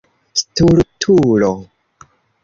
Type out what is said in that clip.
Stultulo.